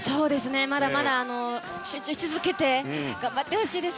まだまだ集中し続けて頑張ってほしい。